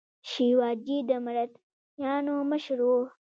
شیواجي د مراتیانو مشر و.